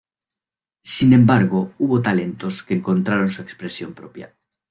Sin embargo, hubo talentos que encontraron su expresión propia.